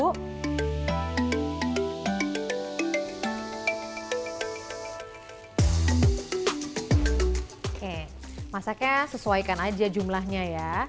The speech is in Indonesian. oke masaknya sesuaikan aja jumlahnya ya